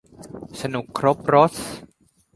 สนุกครบรส